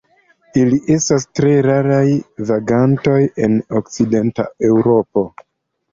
Ili estas tre raraj vagantoj en okcidenta Eŭropo.